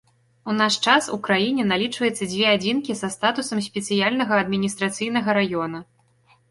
У наш час у краіне налічваецца дзве адзінкі са статусам спецыяльнага адміністрацыйнага раёна.